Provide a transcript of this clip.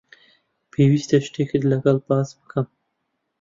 پێویستە شتێکت لەگەڵ باس بکەم.